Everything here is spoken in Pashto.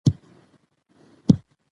په ځنگله کی به آزاد یې د خپل سر یې